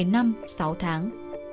bảy năm sáu tháng